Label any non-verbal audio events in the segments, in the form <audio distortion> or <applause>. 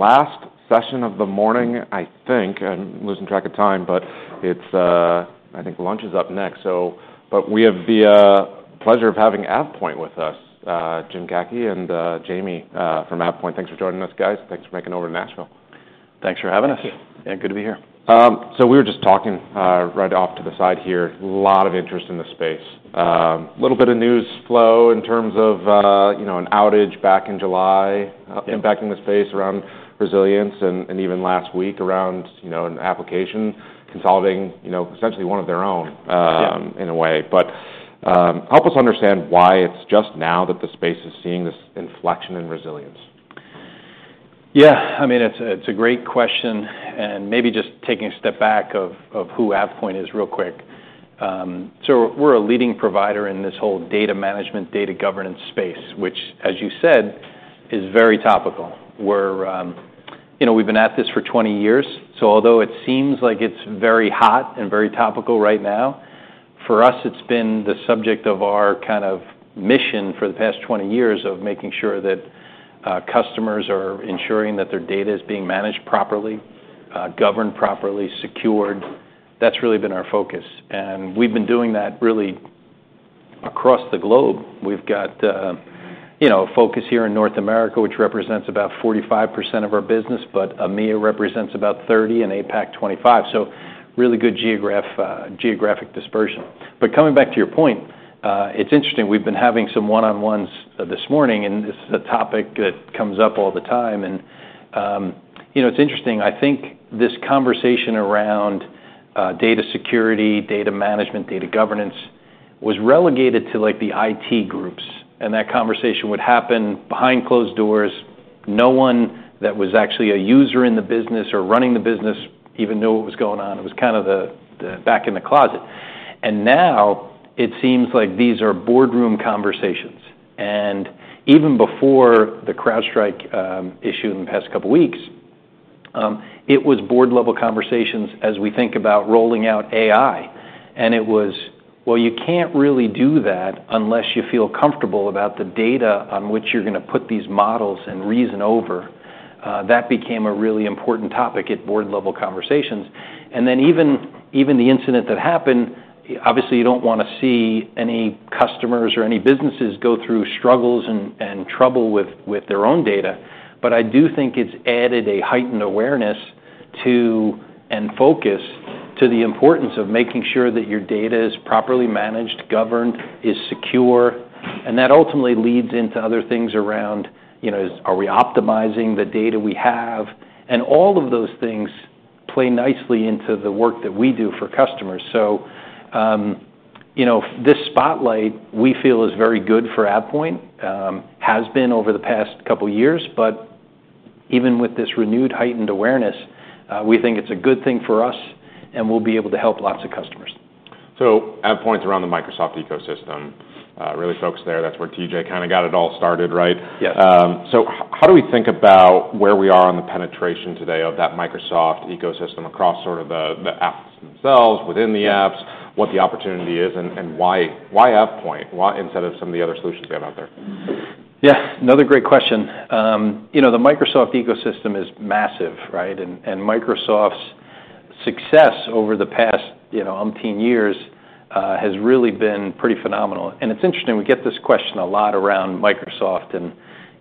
All right, last session of the morning, I think. I'm losing track of time, but it's, I think lunch is up next. So, but we have the pleasure of having AvePoint with us, Jim Caci and Jamie Arestia from AvePoint. Thanks for joining us, guys. Thanks for making it over to Nashville. Thanks for having us. Thank you. Yeah, good to be here. So we were just talking right off to the side here, lot of interest in this space. Little bit of news flow in terms of, you know, an outage back in July- Yeah -impacting the space around resilience, and even last week around, you know, an application consolidating, you know, essentially one of their own, Yeah -in a way. But, help us understand why it's just now that the space is seeing this inflection in resilience? Yeah, I mean, it's a great question, and maybe just taking a step back to who AvePoint is real quick. So we're a leading provider in this whole data management, data governance space, which, as you said, is very topical. We're, you know, we've been at this for 20 years, so although it seems like it's very hot and very topical right now, for us, it's been the subject of our kind of mission for the past 20 years of making sure that customers are ensuring that their data is being managed properly, governed properly, secured. That's really been our focus, and we've been doing that really across the globe. We've got, you know, a focus here in North America, which represents about 45% of our business, but EMEA represents about 30%, and APAC, 25%, so really good geographic dispersion. But coming back to your point, it's interesting. We've been having some one-on-ones this morning, and this is a topic that comes up all the time, and, you know, it's interesting. I think this conversation around data security, data management, data governance was relegated to, like, the IT groups, and that conversation would happen behind closed doors. No one that was actually a user in the business or running the business even knew what was going on. It was kind of the back in the closet. And now, it seems like these are boardroom conversations, and even before the CrowdStrike issue in the past couple weeks, it was board-level conversations as we think about rolling out AI, and it was, "Well, you can't really do that unless you feel comfortable about the data on which you're gonna put these models and reason over." That became a really important topic at board-level conversations. And then, even the incident that happened. Obviously, you don't wanna see any customers or any businesses go through struggles and trouble with their own data, but I do think it's added a heightened awareness to and focus to the importance of making sure that your data is properly managed, governed, is secure. And that ultimately leads into other things around, you know, are we optimizing the data we have? And all of those things play nicely into the work that we do for customers. So, you know, this spotlight, we feel, is very good for AvePoint, has been over the past couple years, but even with this renewed, heightened awareness, we think it's a good thing for us, and we'll be able to help lots of customers. AvePoint's around the Microsoft ecosystem, really focused there. That's where T.J. kind of got it all started, right? Yes. So how do we think about where we are on the penetration today of that Microsoft ecosystem across sort of the apps themselves, within the apps? Yeah... what the opportunity is, and why AvePoint? Why-- instead of some of the other solutions we have out there? Yeah, another great question. You know, the Microsoft ecosystem is massive, right? And, and Microsoft's success over the past, you know, umpteen years, has really been pretty phenomenal. And it's interesting, we get this question a lot around Microsoft and,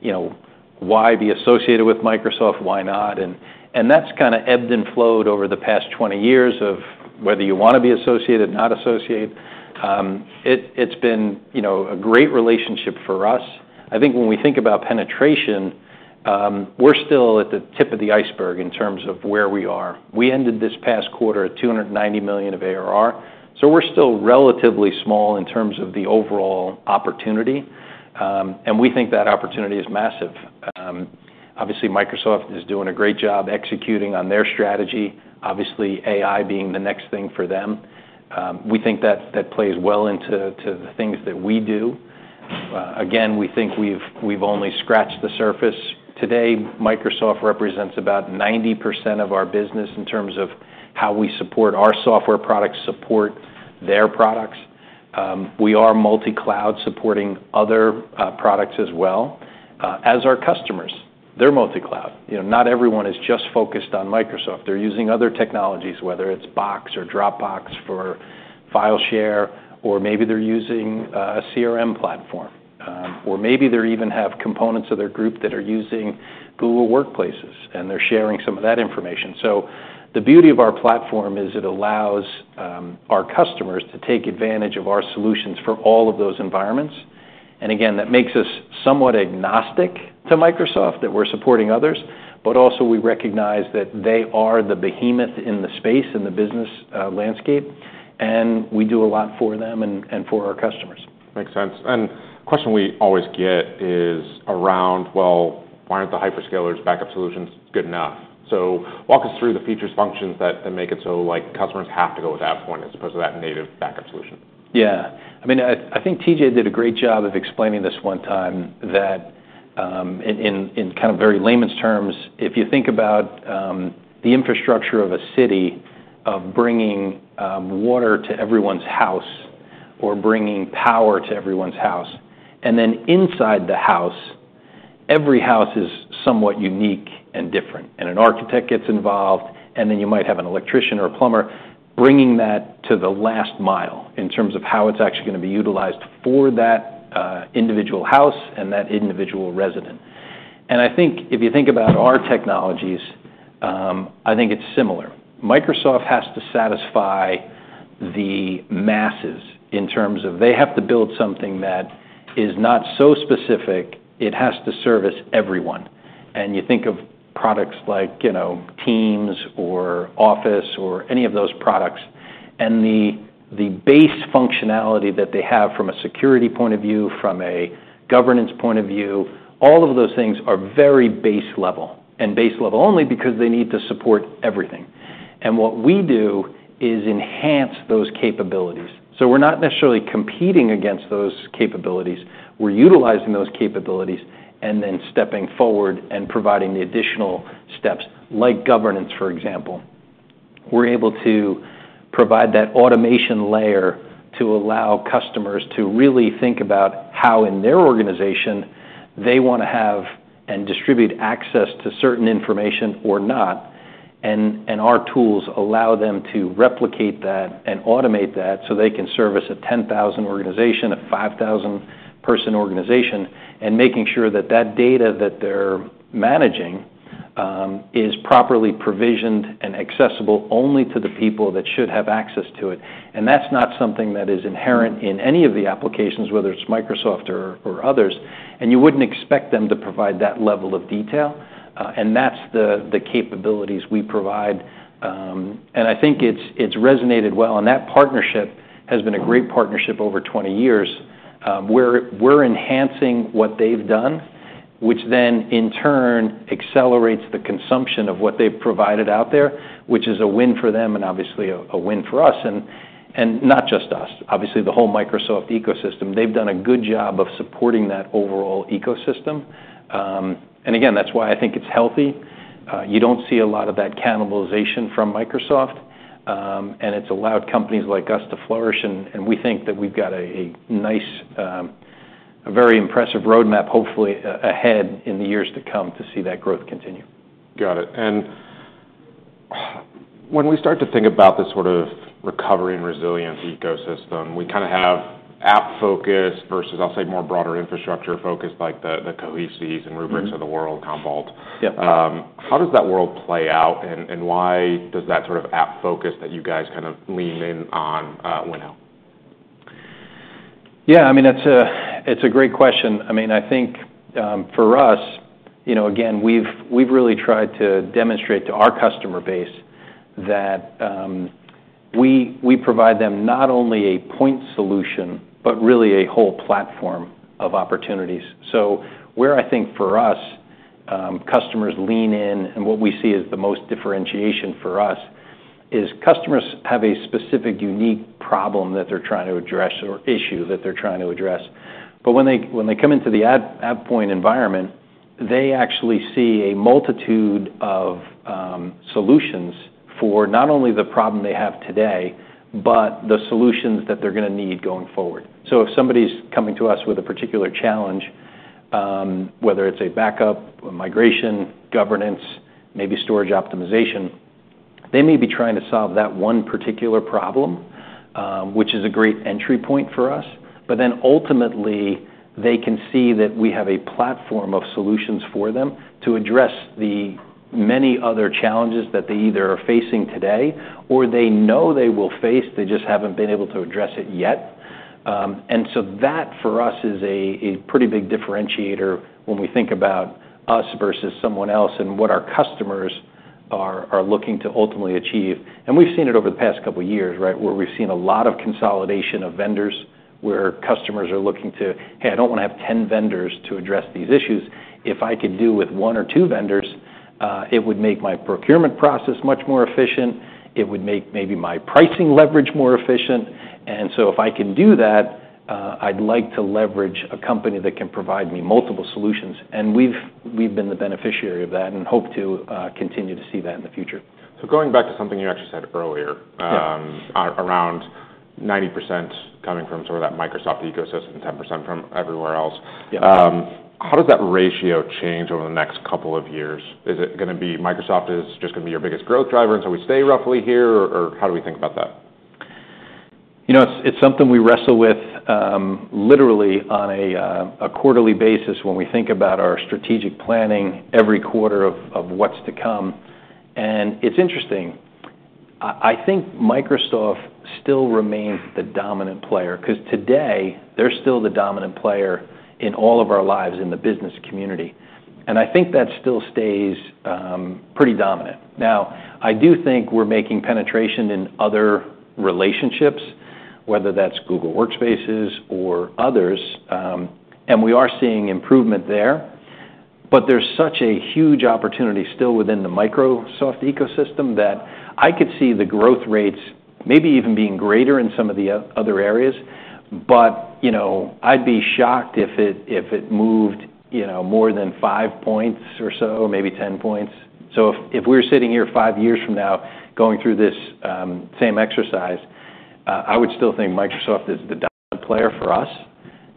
you know, why be associated with Microsoft? Why not? And, and that's kind of ebbed and flowed over the past 20 years of whether you want to be associated, not associated. It, it's been, you know, a great relationship for us. I think when we think about penetration, we're still at the tip of the iceberg in terms of where we are. We ended this past quarter at $290 million of ARR, so we're still relatively small in terms of the overall opportunity, and we think that opportunity is massive. Obviously, Microsoft is doing a great job executing on their strategy, obviously, AI being the next thing for them. We think that plays well into the things that we do. Again, we think we've only scratched the surface. Today, Microsoft represents about 90% of our business in terms of how we support our software products, support their products. We are multi-cloud, supporting other products as well as our customers. They're multi-cloud. You know, not everyone is just focused on Microsoft. They're using other technologies, whether it's Box or Dropbox for file share, or maybe they're using a CRM platform, or maybe they even have components of their group that are using Google Workspace, and they're sharing some of that information. So the beauty of our platform is it allows our customers to take advantage of our solutions for all of those environments. And again, that makes us somewhat agnostic to Microsoft, that we're supporting others, but also, we recognize that they are the behemoth in the space, in the business landscape, and we do a lot for them and for our customers. Makes sense. And question we always get is around, well, why aren't the hyperscalers' backup solutions good enough? So walk us through the features, functions that make it so, like, customers have to go with AvePoint as opposed to that native backup solution. Yeah. I mean, I think T.J. did a great job of explaining this one time, that in kind of very layman's terms, if you think about the infrastructure of a city of bringing water to everyone's house or bringing power to everyone's house. And then inside the house, every house is somewhat unique and different, and an architect gets involved, and then you might have an electrician or a plumber bringing that to the last mile in terms of how it's actually gonna be utilized for that individual house and that individual resident. And I think if you think about our technologies, I think it's similar. Microsoft has to satisfy the masses in terms of they have to build something that is not so specific, it has to service everyone. And you think of products like, you know, Teams or Office or any of those products, and the base functionality that they have from a security point of view, from a governance point of view, all of those things are very base level, and base level only because they need to support everything. And what we do is enhance those capabilities. So we're not necessarily competing against those capabilities, we're utilizing those capabilities, and then stepping forward and providing the additional steps, like governance, for example. We're able to provide that automation layer to allow customers to really think about how in their organization they wanna have and distribute access to certain information or not, and our tools allow them to replicate that and automate that, so they can service a 10,000 organization, a 5,000-person organization, and making sure that that data that they're managing is properly provisioned and accessible only to the people that should have access to it. And that's not something that is inherent in any of the applications, whether it's Microsoft or others, and you wouldn't expect them to provide that level of detail, and that's the capabilities we provide. And I think it's resonated well, and that partnership has been a great partnership over 20 years. We're enhancing what they've done, which then in turn accelerates the consumption of what they've provided out there, which is a win for them and obviously a win for us, and not just us, obviously, the whole Microsoft Ecosystem. They've done a good job of supporting that overall ecosystem. And again, that's why I think it's healthy. You don't see a lot of that cannibalization from Microsoft, and it's allowed companies like us to flourish, and we think that we've got a nice, a very impressive roadmap, hopefully ahead in the years to come to see that growth continue. Got it. And when we start to think about the sort of recovery and resilience ecosystem, we kinda have app focus versus, I'll say, more broader infrastructure focus, like the, the Cohesity and Rubrik of the world, Commvault. Yep. How does that world play out, and why does that sort of app focus that you guys kind of lean in on win out? Yeah, I mean, that's a great question. I mean, I think, for us, you know, again, we've really tried to demonstrate to our customer base that, we provide them not only a point solution, but really a whole platform of opportunities. So where I think for us, customers lean in, and what we see as the most differentiation for us, is customers have a specific, unique problem that they're trying to address, or issue that they're trying to address. But when they come into the AvePoint environment, they actually see a multitude of solutions for not only the problem they have today, but the solutions that they're gonna need going forward. So if somebody's coming to us with a particular challenge, whether it's a backup, a migration, governance, maybe storage optimization, they may be trying to solve that one particular problem, which is a great entry point for us, but then ultimately, they can see that we have a platform of solutions for them to address the many other challenges that they either are facing today or they know they will face, they just haven't been able to address it yet, and so that, for us, is a pretty big differentiator when we think about us versus someone else and what our customers are looking to ultimately achieve, and we've seen it over the past couple of years, right? Where we've seen a lot of consolidation of vendors, where customers are looking to, "Hey, I don't wanna have 10 vendors to address these issues. If I could do with one or two vendors, it would make my procurement process much more efficient. It would make maybe my pricing leverage more efficient. And so if I can do that, I'd like to leverage a company that can provide me multiple solutions." And we've been the beneficiary of that and hope to continue to see that in the future. So going back to something you actually said earlier- Yeah... around 90% coming from sort of that Microsoft ecosystem, 10% from everywhere else. Yeah. How does that ratio change over the next couple of years? Is it gonna be Microsoft is just gonna be your biggest growth driver, and so we stay roughly here, or, or how do we think about that? You know, it's something we wrestle with literally on a quarterly basis when we think about our strategic planning every quarter of what's to come, and it's interesting. I think Microsoft still remains the dominant player, 'cause today they're still the dominant player in all of our lives in the business community. And I think that still stays pretty dominant. Now, I do think we're making penetration in other relationships, whether that's Google Workspace or others, and we are seeing improvement there. But there's such a huge opportunity still within the Microsoft ecosystem that I could see the growth rates maybe even being greater in some of the other areas. But, you know, I'd be shocked if it moved, you know, more than five points or so, maybe 10 points. So if we're sitting here five years from now, going through this, same exercise, I would still think Microsoft is the dominant player for us,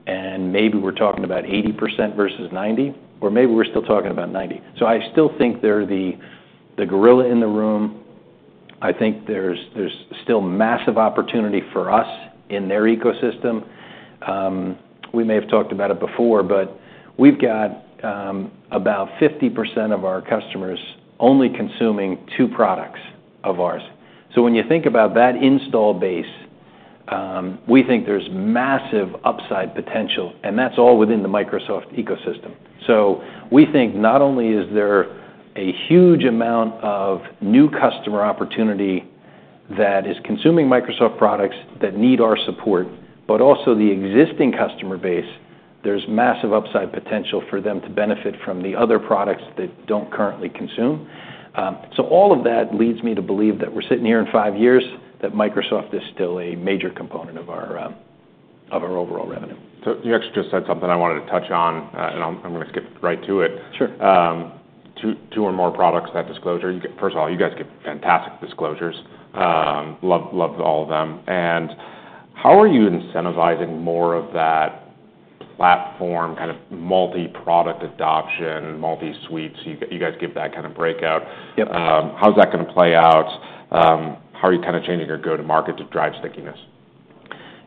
and maybe we're talking about 80% versus 90%, or maybe we're still talking about 90%. I still think they're the gorilla in the room. I think there's still massive opportunity for us in their ecosystem. We may have talked about it before, but we've got about 50% of our customers only consuming two products of ours. So when you think about that install base, we think there's massive upside potential, and that's all within the Microsoft ecosystem. So we think not only is there a huge amount of new customer opportunity that is consuming Microsoft products that need our support, but also the existing customer base, there's massive upside potential for them to benefit from the other products that don't currently consume. So all of that leads me to believe that we're sitting here in five years, that Microsoft is still a major component of our overall revenue. So you actually just said something I wanted to touch on, and I'm gonna skip right to it. Sure. Two or more products, that disclosure. First of all, you guys give fantastic disclosures, love, love all of them. And how are you incentivizing more of that platform, kind of, multi-product adoption, multi-suites? You guys give that kind of breakout. Yep. How's that gonna play out? How are you kind of changing your go-to-market to drive stickiness?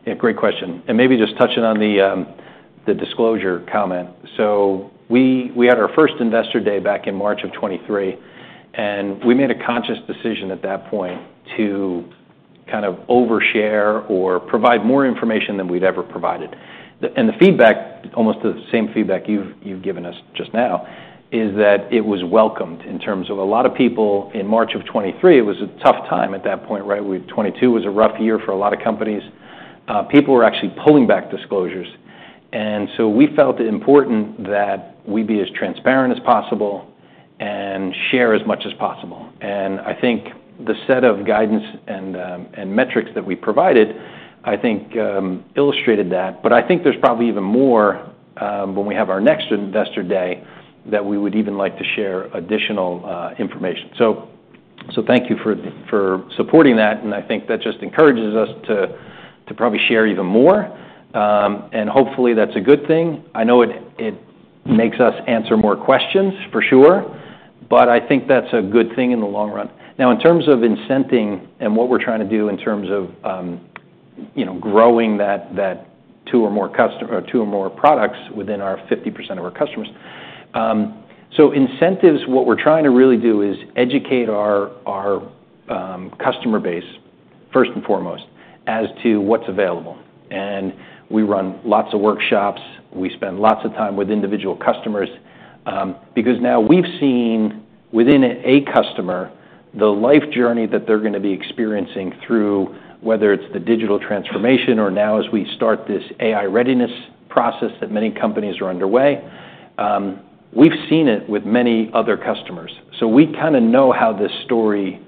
Yeah, great question, and maybe just touching on the disclosure comment. So we had our first Investor Day back in March of 2023, and we made a conscious decision at that point to kind of overshare or provide more information than we'd ever provided. And the feedback, almost the same feedback you've given us just now, is that it was welcomed in terms of a lot of people. In March of 2023, it was a tough time at that point, right? 2022 was a rough year for a lot of companies. People were actually pulling back disclosures, and so we felt it important that we be as transparent as possible and share as much as possible. And I think the set of guidance and metrics that we provided, I think, illustrated that. But I think there's probably even more, when we have our next Investor Day, that we would even like to share additional information. So thank you for supporting that, and I think that just encourages us to probably share even more. And hopefully, that's a good thing. I know it makes us answer more questions, for sure, but I think that's a good thing in the long run. Now, in terms of incenting and what we're trying to do, you know, growing that two or more products within our 50% of our customers. So incentives, what we're trying to really do is educate our customer base, first and foremost, as to what's available. And we run lots of workshops. We spend lots of time with individual customers because now we've seen within a customer the life journey that they're gonna be experiencing through whether it's the digital transformation or now as we start this AI readiness process that many companies are underway. We've seen it with many other customers, so we kinda know how this story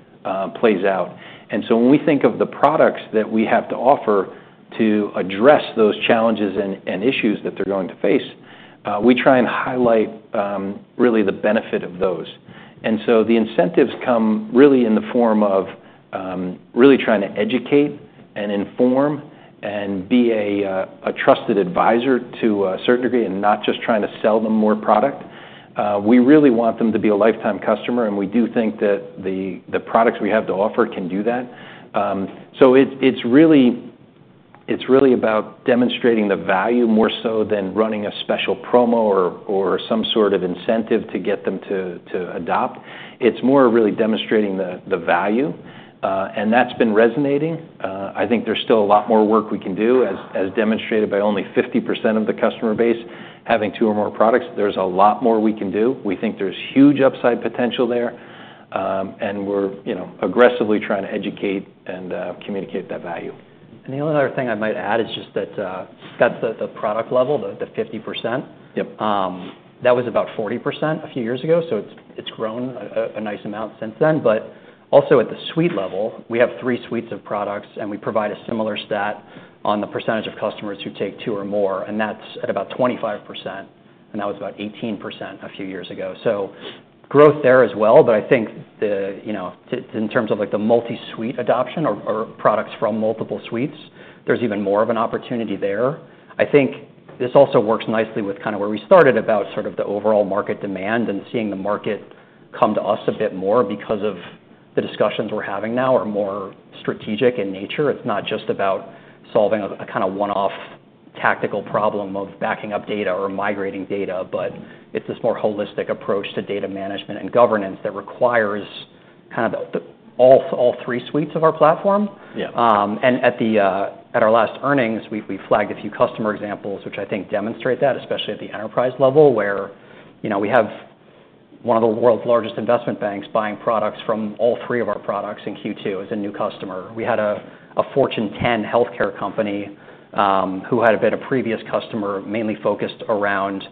plays out. And so when we think of the products that we have to offer to address those challenges and issues that they're going to face, we try and highlight really the benefit of those. And so the incentives come really in the form of really trying to educate and inform and be a trusted advisor to a certain degree, and not just trying to sell them more product. We really want them to be a lifetime customer, and we do think that the products we have to offer can do that. So it's really about demonstrating the value more so than running a special promo or some sort of incentive to get them to adopt. It's more of really demonstrating the value, and that's been resonating. I think there's still a lot more work we can do, as demonstrated by only 50% of the customer base having two or more products. There's a lot more we can do. We think there's huge upside potential there, and we're, you know, aggressively trying to educate and communicate that value. The only other thing I might add is just that, that's at the product level, the 50%. Yep. That was about 40% a few years ago, so it's grown a nice amount since then, but also at the suite level, we have three suites of products, and we provide a similar stat on the percentage of customers who take two or more, and that's at about 25%, and that was about 18% a few years ago, so growth there as well, but I think... You know, in terms of, like, the multi-suite adoption or products from multiple suites, there's even more of an opportunity there. I think this also works nicely with kind of where we started, about sort of the overall market demand and seeing the market come to us a bit more because of the discussions we're having now are more strategic in nature. It's not just about solving a kind of one-off tactical problem of backing up data or migrating data, but it's this more holistic approach to data management and governance that requires kind of all three suites of our platform. Yeah. And at our last earnings, we flagged a few customer examples, which I think demonstrate that, especially at the enterprise level, where, you know, we have one of the world's largest investment banks buying products from all three of our products in Q2 as a new customer. We had a Fortune 10 healthcare company who had been a previous customer, mainly focused around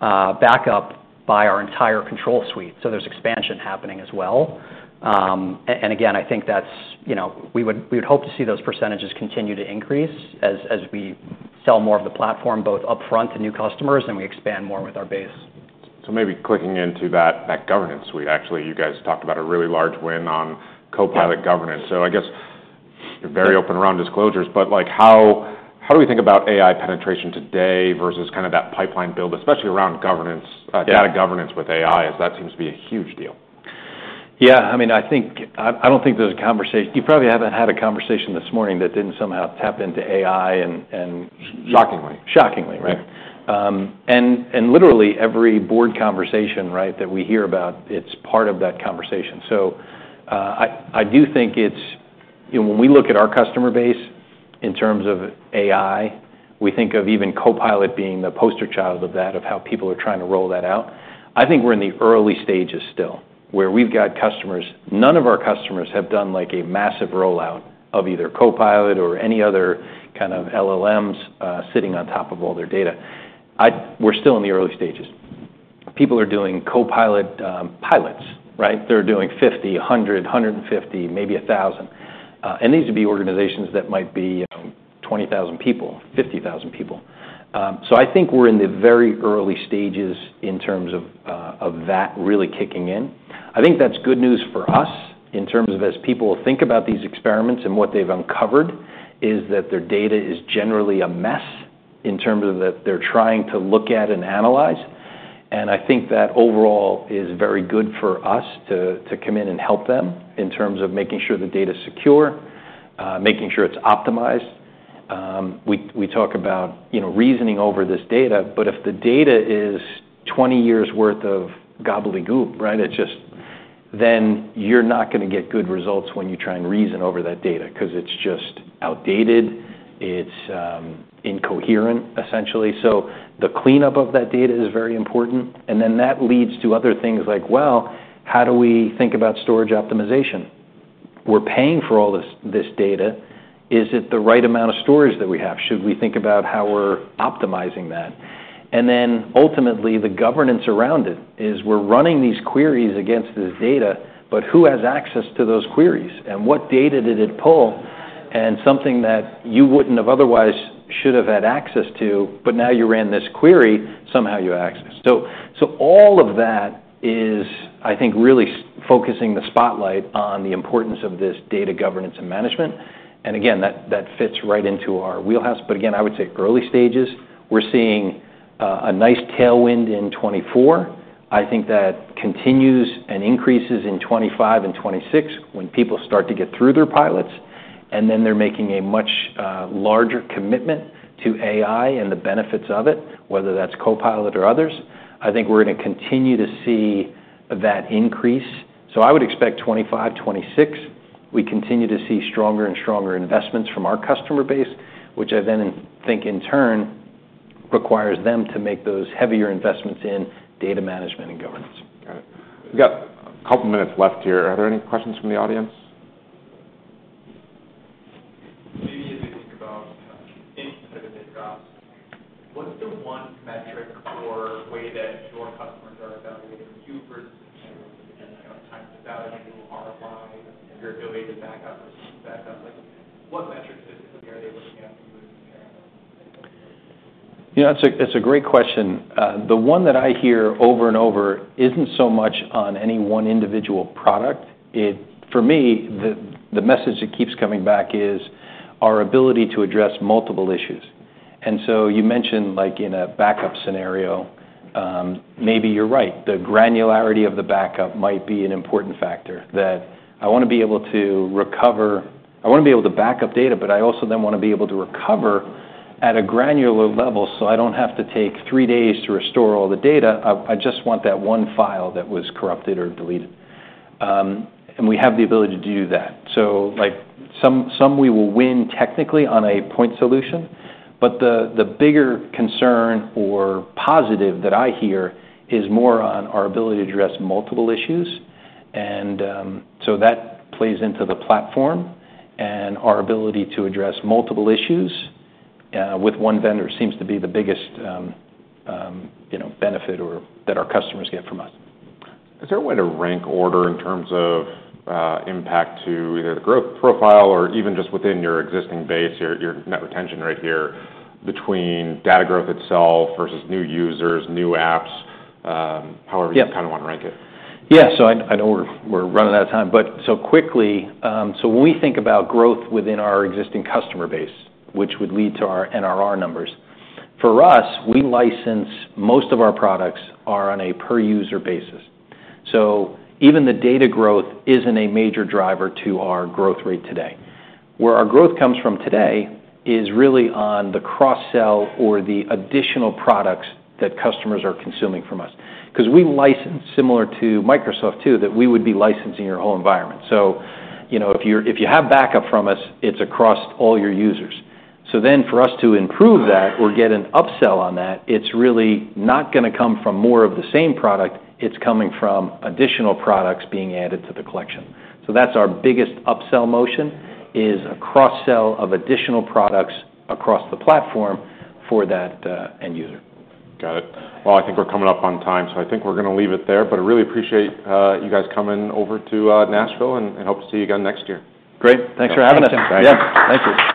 backup by our entire Control Suite, so there's expansion happening as well. And again, I think that's, you know. We would hope to see those percentages continue to increase as we sell more of the platform, both upfront to new customers, and we expand more with our base.... So maybe clicking into that governance suite, actually, you guys talked about a really large win on Copilot governance. So I guess you're very open around disclosures, but, like, how do we think about AI penetration today versus kind of that pipeline build, especially around governance? Yeah. Data governance with AI, as that seems to be a huge deal? Yeah, I mean, I think I don't think there's a conversation. You probably haven't had a conversation this morning that didn't somehow tap into AI and, Shockingly. Shockingly, right? Yeah. And literally every board conversation, right, that we hear about, it's part of that conversation. So, I do think it's. You know, when we look at our customer base in terms of AI, we think of even Copilot being the poster child of that, of how people are trying to roll that out. I think we're in the early stages still, where we've got customers. None of our customers have done, like, a massive rollout of either Copilot or any other kind of LLMs sitting on top of all their data. We're still in the early stages. People are doing Copilot pilots, right? They're doing 50, 100, 150, maybe 1,000, and these would be organizations that might be 20,000 people, 50,000 people. So I think we're in the very early stages in terms of that really kicking in. I think that's good news for us in terms of as people think about these experiments and what they've uncovered, is that their data is generally a mess in terms of that they're trying to look at and analyze. And I think that overall is very good for us to come in and help them in terms of making sure the data's secure, making sure it's optimized. We talk about, you know, reasoning over this data, but if the data is 20 years' worth of gobbledygook, right? It's just... Then you're not gonna get good results when you try and reason over that data, 'cause it's just outdated, it's incoherent, essentially. So the cleanup of that data is very important, and then that leads to other things like, well, how do we think about storage optimization? We're paying for all this, this data. Is it the right amount of storage that we have? Should we think about how we're optimizing that? And then, ultimately, the governance around it, is we're running these queries against this data, but who has access to those queries? And what data did it pull? And something that you wouldn't have otherwise should have had access to, but now you ran this query, somehow you have access. So, so all of that is, I think, really focusing the spotlight on the importance of this data governance and management. And again, that, that fits right into our wheelhouse. But again, I would say early stages. We're seeing a nice tailwind in 2024. I think that continues and increases in 2025 and 2026, when people start to get through their pilots, and then they're making a much larger commitment to AI and the benefits of it, whether that's Copilot or others. I think we're gonna continue to see that increase. So I would expect 2025, 2026, we continue to see stronger and stronger investments from our customer base, which I then think in turn requires them to make those heavier investments in data management and governance. Got it. We've got a couple minutes left here. Are there any questions from the audience? Maybe as you think about, instead of the drops, what's the one metric or way that your customers are evaluating you versus, you know, time to value, ROI, your ability to back up? Like <audio distortion> You know, that's a great question. The one that I hear over and over isn't so much on any one individual product. For me, the message that keeps coming back is our ability to address multiple issues. And so you mentioned, like, in a backup scenario, maybe you're right, the granularity of the backup might be an important factor, that I wanna be able to recover... I wanna be able to back up data, but I also then wanna be able to recover at a granular level, so I don't have to take three days to restore all the data. I just want that one file that was corrupted or deleted, and we have the ability to do that. So, like, some we will win technically on a point solution, but the bigger concern or positive that I hear is more on our ability to address multiple issues, and so that plays into the platform, and our ability to address multiple issues with one vendor seems to be the biggest, you know, benefit or that our customers get from us. Is there a way to rank order in terms of impact to either the growth profile or even just within your existing base, your net retention rate here, between data growth itself versus new users, new apps? Yeah... however you kind of want to rank it? Yeah. So I know we're running out of time, but so quickly, so when we think about growth within our existing customer base, which would lead to our NRR numbers, for us, we license. Most of our products are on a per-user basis. So even the data growth isn't a major driver to our growth rate today. Where our growth comes from today is really on the cross-sell or the additional products that customers are consuming from us. 'Cause we license, similar to Microsoft too, that we would be licensing your whole environment. So, you know, if you have backup from us, it's across all your users. So then, for us to improve that or get an upsell on that, it's really not gonna come from more of the same product, it's coming from additional products being added to the collection. So that's our biggest upsell motion, is a cross-sell of additional products across the platform for that end user. Got it. I think we're coming up on time, so I think we're gonna leave it there. I really appreciate you guys coming over to Nashville, and hope to see you again next year. Great. Thanks for having us. Thank you. Yeah. Thank you.